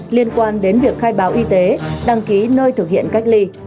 liên quan đến việc khai báo y tế đăng ký nơi thực hiện cách ly